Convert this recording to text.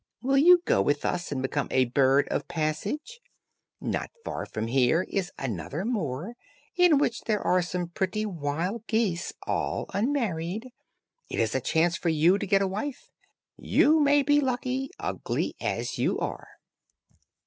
Will you go with us, and become a bird of passage? Not far from here is another moor, in which there are some pretty wild geese, all unmarried. It is a chance for you to get a wife; you may be lucky, ugly as you are."